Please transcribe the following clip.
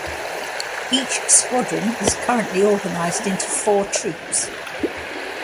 Each squadron is currently organized into four troops.